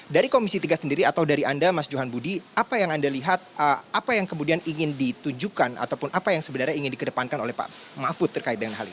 dari komisi tiga sendiri atau dari anda mas johan budi apa yang anda lihat apa yang kemudian ingin ditujukan ataupun apa yang sebenarnya ingin dikedepankan oleh pak mahfud terkait dengan hal ini